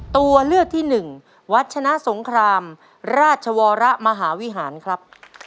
ตัวเลือกที่หนึ่งวัชนะสงครามราชวรมหาวิหารครับ